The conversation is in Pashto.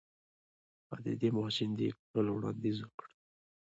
هغه د دې ماشين د پلورلو وړانديز وکړ.